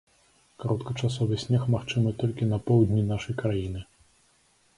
Кароткачасовы снег магчымы толькі на поўдні нашай краіны.